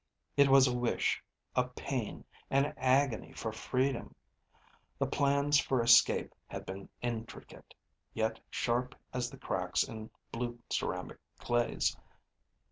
It was a wish, a pain, an agony for freedom. The plans for escape had been intricate, yet sharp as the cracks in blue ceramic glaze.